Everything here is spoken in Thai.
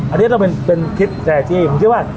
อันเนี้ยเราเป็นเป็นคิดแสนอาชีพผมคิดว่า